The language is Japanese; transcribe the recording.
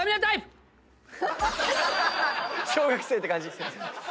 小学生って感じ。